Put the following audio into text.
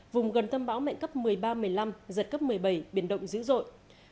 vùng gần tâm bão mạnh cấp một mươi ba một mươi năm giật cấp một mươi bảy biển động dữ dội